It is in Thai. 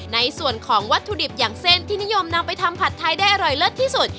ในส่วนของวัตถุดิบอย่างเส้นที่นิยมนำไปทำผัดไทยได้อร่อยเลิศที่สุด